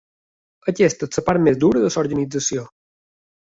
Aquesta és la part més dura de l'organització.